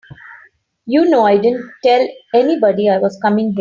You know I didn't tell anybody I was coming here.